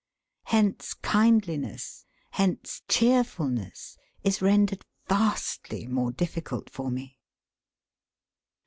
Hence kindliness, hence cheerfulness, is rendered vastly more difficult for me.